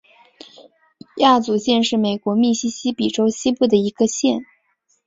亚祖县是美国密西西比州西部的一个县。